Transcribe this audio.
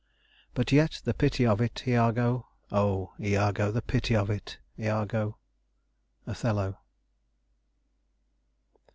"But yet the pity of it, Iago! Oh, Iago, the pity of it, Iago." Othello.